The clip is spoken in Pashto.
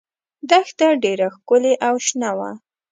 دښته ډېره ښکلې او شنه وه.